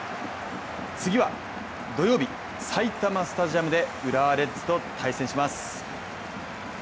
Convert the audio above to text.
次は土曜日、埼玉スタジアムで浦和レッズと対戦します。